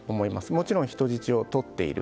もちろん、人質をとっている。